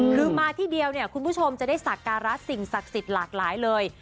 คือมาที่เดียวเนี่ยคุณผู้ชมจะได้สักการะสิ่งศักดิ์สิทธิ์หลากหลายเลย